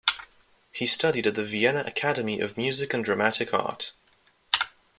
He studied at the Vienna Academy of Music and Dramatic Art.